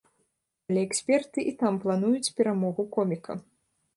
Але эксперты і там плануюць перамогу коміка.